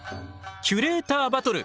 「キュレーターバトル！！」